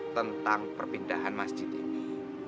tentang perpindahan masjid ini